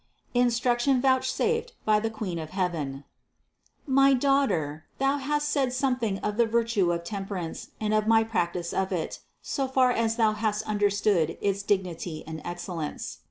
INSTRUCTION VOUCHSAFED BY THE QUEEN OF HEAVEN. 596. My daughter, thou hast said something of the virtue of temperance and of my practice of it, so far as thou hast understood its dignity and excellence.